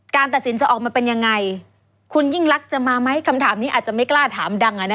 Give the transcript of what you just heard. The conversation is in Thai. ตัดสินจะออกมาเป็นยังไงคุณยิ่งรักจะมาไหมคำถามนี้อาจจะไม่กล้าถามดัง